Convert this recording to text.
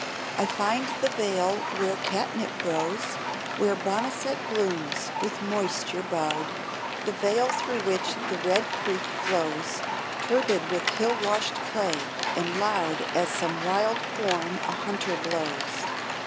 I find the vale where catnip grows, Where boneset blooms, with moisture bowed; The vale through which the red creek flows, Turbid with hill washed clay, and loud As some wild horn a hunter blows.